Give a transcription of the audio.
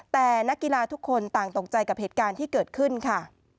แต่นักกีฬาทุกคนต่างตกใจกับเหตุการณ์ที่เกิดขึ้นค่ะ